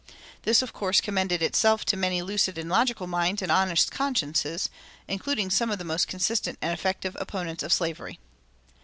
This course commended itself to many lucid and logical minds and honest consciences, including some of the most consistent and effective opponents of slavery.